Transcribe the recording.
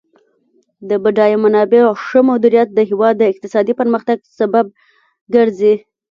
د بډایه منابعو ښه مدیریت د هیواد د اقتصادي پرمختګ سبب ګرځي.